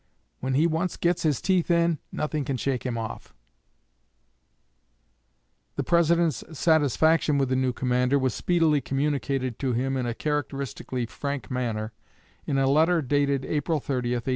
When he once gets his teeth in, nothing can shake him off." The President's satisfaction with the new commander was speedily communicated to him in a characteristically frank manner, in a letter dated April 30, 1864.